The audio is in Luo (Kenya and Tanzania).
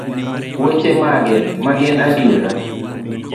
weche mage magin adiera?